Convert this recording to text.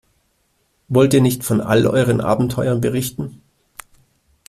Wollt ihr nicht von all euren Abenteuern berichten?